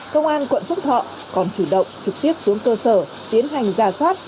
công an quận phúc thọ còn chủ động trực tiếp xuống cơ sở tiến hành gia soát